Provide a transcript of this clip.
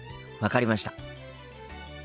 分かりました。